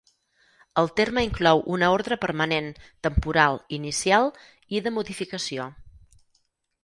El terme inclou una ordre permanent, temporal, inicial i de modificació.